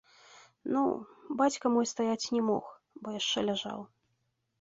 Ну, бацька мой стаяць не мог, бо яшчэ ляжаў.